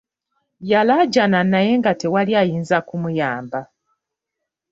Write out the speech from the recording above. Yalaajana naye nga tewali ayinza kumuyamba.